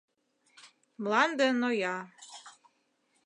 Мланде ноя